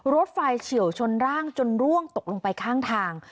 รถไฟเฉียวชนร่างจนร่วงตกลงไปข้างทาง